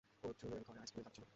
অর্জুনের ঘরে আইসক্রিমের দাগ ছিল।